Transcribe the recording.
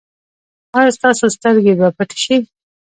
ایا ستاسو سترګې به پټې شي؟